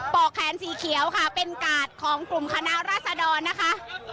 อกแขนสีเขียวค่ะเป็นกาดของกลุ่มคณะราษดรนะคะ